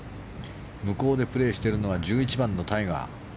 向こうでプレーしているのは１１番のタイガー。